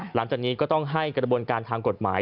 หลังจากนี้ก็ต้องให้กระบวนการทางกฎหมาย